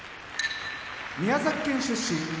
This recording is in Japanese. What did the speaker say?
宮崎県出身